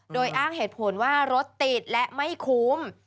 โดยอ้างเหตุผลว่ารถติดและไม่คุ้ม